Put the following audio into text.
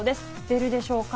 出るでしょうか？